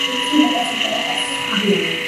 წინა კაცი უკანა კაცის ხიდიაო